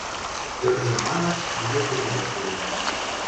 Тӧржӹм манаш, ӹнде кӹньӹлӓш веремӓ.